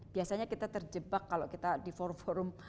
biasanya kita terjebak kalau kita di forum forum